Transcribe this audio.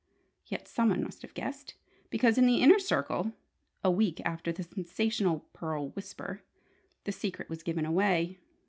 Yet, someone must have guessed: because in the Inner Circle (a week after the sensational pearl "Whisper") the secret was given away.